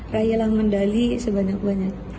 raya lang mendali sebanyak banyak